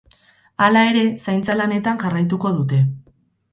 Hala ere, zaintza lanetan jarraituko dute.